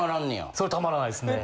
それたまらないですね。